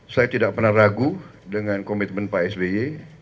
saya tidak pernah ragu dengan komitmen pak sby